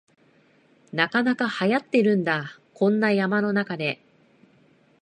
なかなかはやってるんだ、こんな山の中で